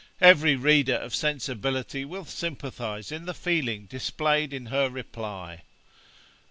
Every reader of sensibility will sympathise in the feeling displayed in her reply.